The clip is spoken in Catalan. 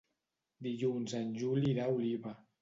Dilluns en Juli irà a Oliva.